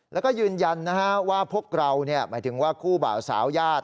แล้วก็ยืนยันว่าพวกเราหมายถึงว่าคู่บ่าวสาวญาติ